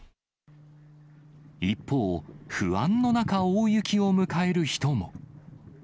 一方、不安の中、大雪を迎える人も。